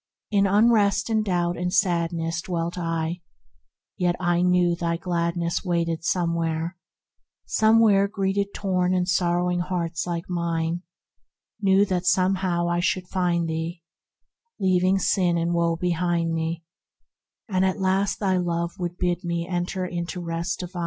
In unrest and doubt and sadness Dwelt I, yet I knew thy Gladness Waited somewhere; somewhere greeted torn and sorrowing hearts like mine; Knew that somehow I should find thee, Leaving sin and woe behind me, And at last thy Love should bid me enter into Rest divine